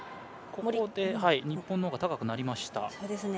ここで日本のほうが高くなりました。